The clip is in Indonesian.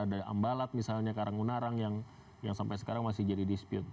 ada ambalat misalnya karangunara yang sampai sekarang masih jadi dispute